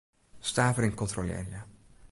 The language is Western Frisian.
Stavering kontrolearje.